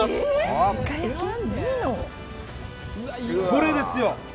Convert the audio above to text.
これですよ。